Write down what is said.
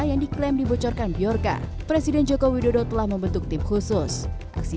yang diklaim dibocorkan biarca presiden joko widodo telah membentuk tim khusus aksi